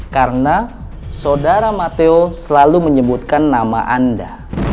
karena sodara matteo selalu menyebutkan nama anda